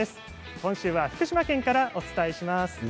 今週は福島県からお伝えします。